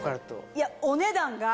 いやお値段が。